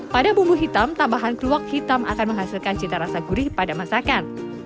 pada bumbu hitam tambahan keluak hitam akan menghasilkan cita rasa gurih pada masakan